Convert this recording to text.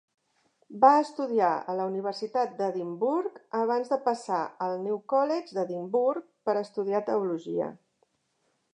Va estudiar a la Universitat d'Edimburg abans de passar al New College d'Edimburg per estudiar teologia.